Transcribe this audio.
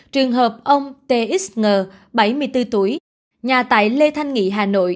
trường hợp ông t x ng bảy mươi bốn tuổi nhà tại lê thanh nghị hà nội